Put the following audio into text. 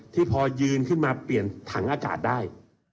ที่พอยืนขึ้นมาเปลี่ยนถังอากาศได้